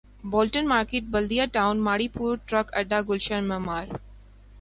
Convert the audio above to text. Bolton market Baldia town Mauripur truck اڈہ گلشن معمار